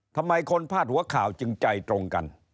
ทำไมคนพาดหัวข่าวจึงใจตรงกัน